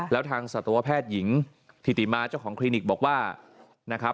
แล้วทางศาลตัวแพทย์หญิงทิติมาเจ้าของคลินิกบอกว่า